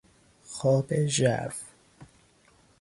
خواب ژرف